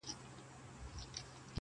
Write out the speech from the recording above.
په سمه لاره کي پل مه ورانوی٫